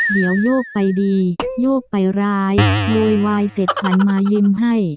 เดี๋ยวโยกไปดีโยกไปร้ายโวยวายเสร็จหันมายิ้มให้